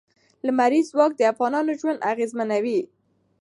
لمریز ځواک د افغانانو ژوند اغېزمن کوي.